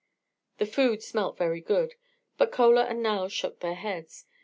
The food smelt very good, but Chola and Nao shook their heads.